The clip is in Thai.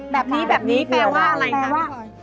แบบนี้แบบนี้แปลว่าอะไรคะว่า